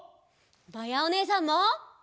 まやおねえさんも。